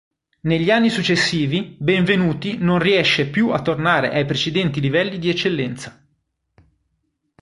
Negli anni successivi Benvenuti non riesce più a tornare ai precedenti livelli di eccellenza.